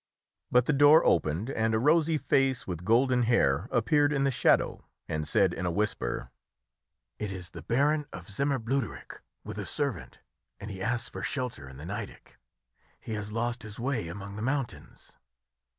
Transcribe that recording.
But the door opened, and a rosy face, with golden hair, appeared in the shadow, and said in a whisper "It is the Baron of Zimmer Bluderich, with a servant, and he asks for shelter in the Nideck. He has lost his way among the mountains."